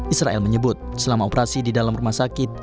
israel menyebut selama operasi di dalam rumah sakit